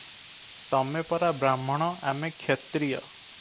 ତମେପରା ବ୍ରାହ୍ମଣ ଆମେ କ୍ଷତ୍ରିୟ ।